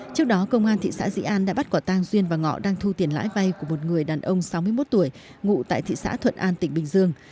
trước đó công an thị xã dĩ an đã bắt quả tang duyên và ngọ đang thu tiền lãi vay của một người đàn ông sáu mươi một tuổi ngụ tại thị xã thuận an tỉnh bình dương